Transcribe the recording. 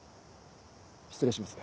失礼します。